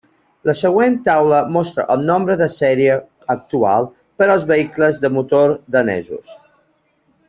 La següent taula mostra el nombre de sèrie actual per als vehicles de motor danesos.